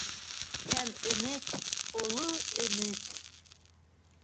Һәм өмөт, оло өмөт!